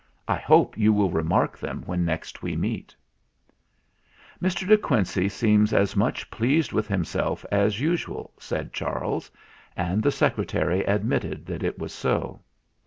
I hope you will remark them when next we meet." 222 THE FLINT HEART "Mr. De Quincey seems as much pleased with himself as usual," said Charles; and the Secretary admitted that it was so.